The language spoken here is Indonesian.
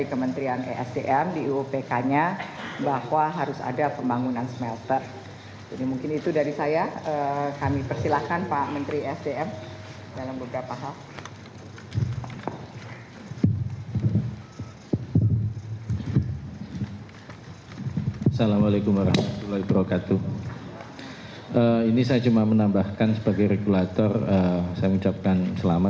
kementerian keuangan telah melakukan upaya upaya